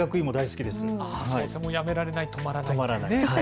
やめられない、止まらない。